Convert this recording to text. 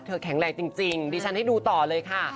แข็งแรงจริงดิฉันให้ดูต่อเลยค่ะ